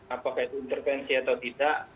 apakah itu intervensi atau tidak